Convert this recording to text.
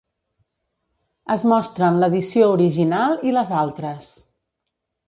Es mostren l'edició original, i les altres.